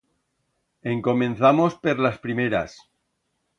Encomenzamos per las primeras.